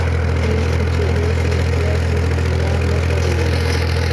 دې کوچنۍ سوفیا هېڅ ګناه نه درلوده